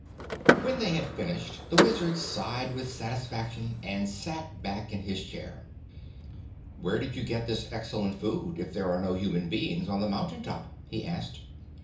When they had finished the Wizard sighed with satisfaction and sat back in his chair. "Where did you get this excellent food, if there are no human beings on the mountain top?" he asked.